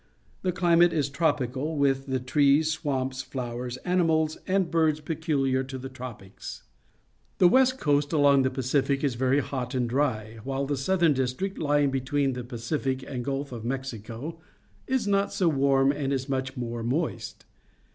The climate is tropical, with the trees, swamps, flowers, animals, and birds peculiar to the tropics. The west coast along the Pacific is very hot and dry, while the southern district, lying between the Pacific and the Gulf of Mexico, is not so warm and is much more moist.